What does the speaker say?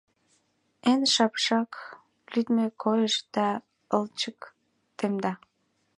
Эн шапшак лӱдмӧ койыш да ылчык темда.